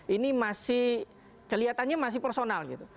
ini masih kelihatannya masih personal gitu